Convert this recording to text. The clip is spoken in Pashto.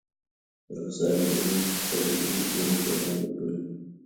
په رخسار دې تودو اوښکو لارې کړي